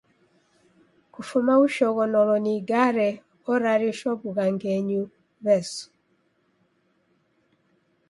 Kufuma ushoghonolo ni igare orarishwa w'ughangenyi W'esu.